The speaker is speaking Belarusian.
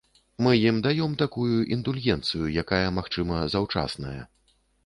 Мы ім даём такую індульгенцыю, якая, магчыма, заўчасная.